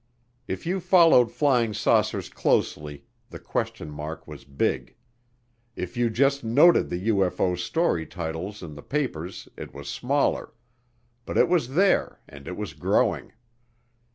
If you followed flying saucers closely the question mark was big, if you just noted the UFO story titles in the papers it was smaller, but it was there and it was growing.